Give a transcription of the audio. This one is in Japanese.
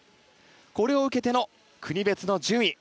これを受けての国別の順位。